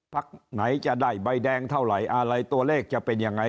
พักไหนจะได้ใบแดงเท่าไหร่อะไรตัวเลขจะเป็นยังไง